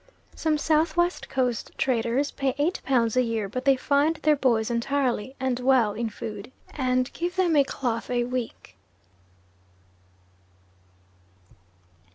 Some South West Coast traders pay 8 pounds a year, but they find their boys entirely, and well, in food, and give them a cloth a week.